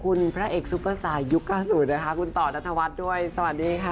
คุณผู้ชมไม่เจนเลยค่ะถ้าลูกคุณออกมาได้มั้ยคะ